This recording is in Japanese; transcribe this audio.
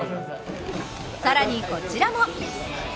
更に、こちらも。